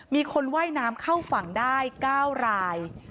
มีคนว่ายน้ำเข้าฝั่งได้๙ราย